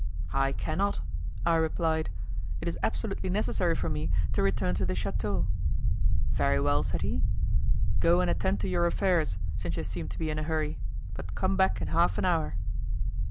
'I cannot,' I replied; 'it is absolutely necessary for me to return to the chateau.' 'Very well,' said he, 'go and attend to your affairs, since you seem to be in a hurry, but come back in half an hour.